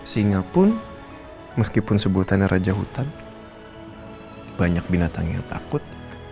singapura pun meskipun sebutannya raja hutan banyak binatang yang takut